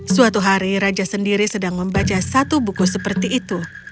suatu hari raja sendiri sedang membaca satu buku seperti itu